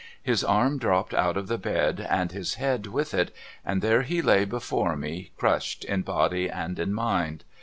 His arm dropped out of the bed and his head with it, and there he lay before me crushed in body and in mind.